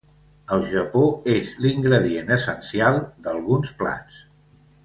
Al Japó és l'ingredient essencial d'alguns plats.